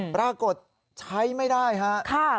ปรากฏใช้ไม่ได้ฮะ